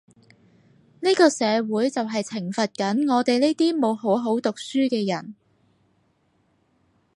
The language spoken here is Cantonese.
呢個社會就係懲罰緊我哋呢啲冇好好讀書嘅人